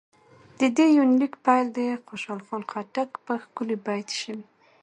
د دې يونليک پيل د خوشحال خټک په ښکلي بېت شوې